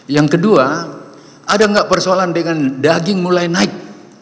yang kedua ada nggak persoalan dengan daging mulai naik